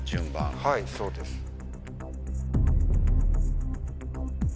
はいそうです。